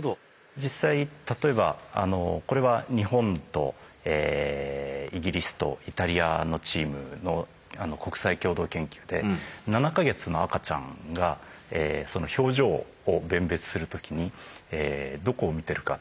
で実際例えばあのこれは日本とイギリスとイタリアのチームのあの国際共同研究で７か月の赤ちゃんがその表情を弁別する時にどこを見てるか。